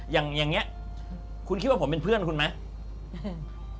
อย่างนี้คุณคิดว่าผมเป็นเพื่อนคุณไหมอืม